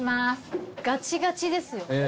がちがちですよ